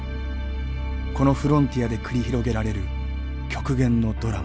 このフロンティアで繰り広げられる極限のドラマ。